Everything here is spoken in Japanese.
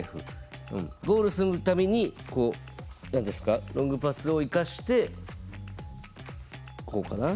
ゴールするためにこう何ですかロングパスを生かしてこうかな。